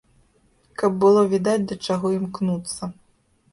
Каб было відаць, да чаго імкнуцца.